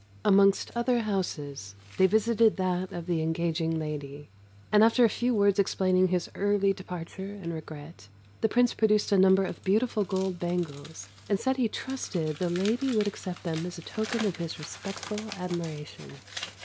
Amongst other houses they visited that of the engaging lady, and after a few words explaining his early departure and regret, the Prince produced a number of beautiful gold bangles, and said he trusted the lady would accept them as a token of his respectful admiration.